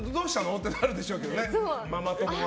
ってなるでしょうけど。